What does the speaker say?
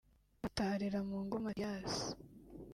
Dr Harebamungu Mathias